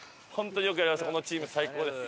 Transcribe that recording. このチーム最高です。